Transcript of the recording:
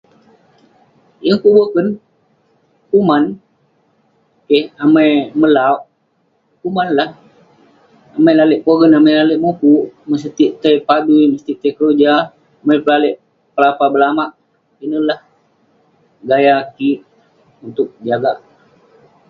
Yeng pun boken, kuman. Keh. Amai melauk, kuman lah. Amai lalek pogen amai lalek mukuk, mesotik tai padui mesotik tai keroja. Amai peh lalek pelapah belamak. Ineh lah gaya untuk jagak.